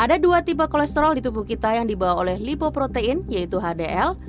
ada dua tipe kolesterol di tubuh kita yang dibawa oleh lipoprotein yaitu hdl